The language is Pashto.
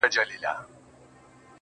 وجود چي د ژوند ټوله محبت خاورې ايرې کړ,